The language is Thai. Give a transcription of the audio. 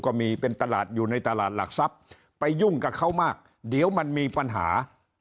ก็มีเป็นตลาดอยู่ในตลาดหลักทรัพย์ไปยุ่งกับเขามากเดี๋ยวมันมีปัญหา